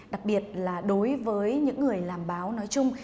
đặc biệt là đối với những người làm báo nói chung